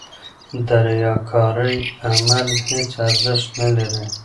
د ریاکارۍ عمل هېڅ ارزښت نه لري.